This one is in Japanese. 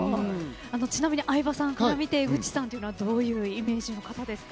ちなみに相葉さんから見て江口さんはどういうイメージの方ですか？